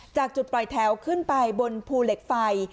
จากจุดปล่อยแถวขึ้นไปบนภูเหล็กไฟ